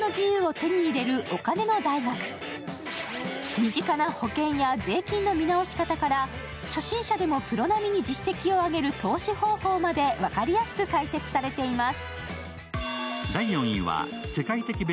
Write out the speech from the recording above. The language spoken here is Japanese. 身近な保険や税金の見直し方から初心者でもプロ並みに実績を上げる投資方法まで分かりやすく解説されています。